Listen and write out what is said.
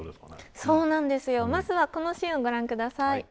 まずはこのシーンをご覧ください。